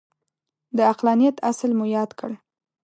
د عقلانیت اصل مو یاد کړ.